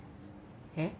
えっ？